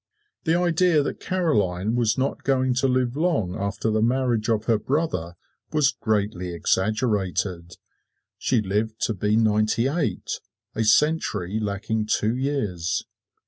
The idea that Caroline was not going to live long after the marriage of her brother was "greatly exaggerated" she lived to be ninety eight, a century lacking two years!